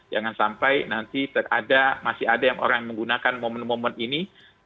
jangan sampai nanti masih ada yang orang yang menggunakan momen momen ini